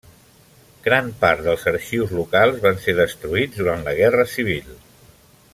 Gran part dels arxius locals van ser destruïts durant la guerra civil.